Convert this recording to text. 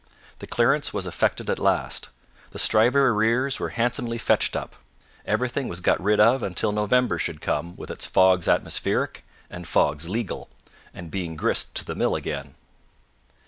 The clearance was effected at last; the Stryver arrears were handsomely fetched up; everything was got rid of until November should come with its fogs atmospheric, and fogs legal, and bring grist to the mill again.